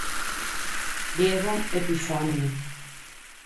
Diego Epifanio.